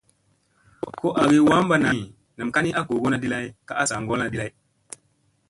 Ko agi wamɓa nani, nam ka ni a googona di lay a saa ŋgolla di lay.